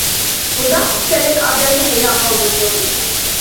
بۇنداق خۇپسەنلىك ئادەمنى ھەيران قالدۇرىدۇ.